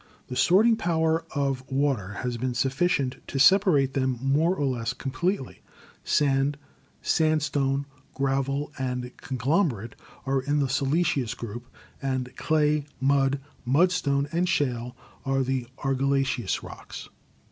The sorting power of water has been sufficient to separate them more or less completely. Sand, sandstone, gravel and conglomerate are in the silice ous group, and clay, mud, mudstone and shale are the Argillaceous Rocks.